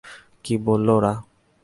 কী বলল ওরা?